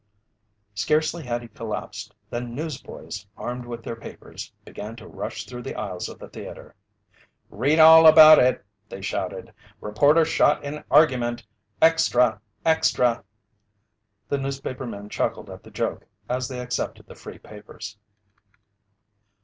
Scarcely had he collapsed, than newsboys armed with their papers, began to rush through the aisles of the theater. "Read all about it!" they shouted. "Reporter Shot in Argument! Extra! Extra!" The newspapermen chuckled at the joke as they accepted the free papers.